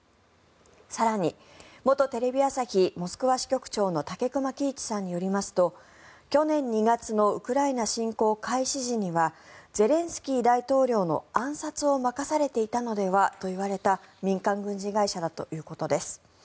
更に元テレビ朝日モスクワ支局長の武隈喜一さんによりますと去年２月のウクライナ侵攻開始時にはゼレンスキー大統領の暗殺を任されていたのではといわれた民間軍事会社だということです。